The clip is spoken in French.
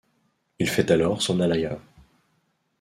Il fait alors son alyah.